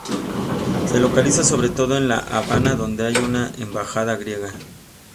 Se localizan sobre todo en La Habana, donde hay una embajada griega.